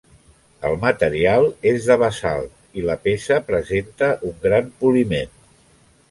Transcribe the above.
El material és de basalt, i la peça presenta un gran poliment.